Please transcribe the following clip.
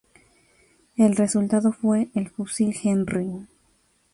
El resultado fue el fusil Henry.